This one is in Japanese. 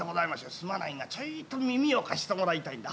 すまないがちょいと耳を貸してもらいたいんだ。